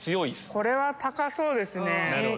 これは高そうですね。